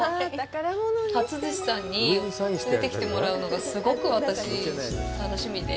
初寿司さんに連れてきてもらうのがすごく私、楽しみで。